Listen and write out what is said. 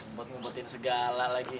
membuat membuatin segala lagi